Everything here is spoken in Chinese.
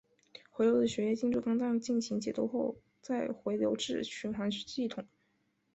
回流的血液进入肝脏进行解毒后再由回流至循环系统。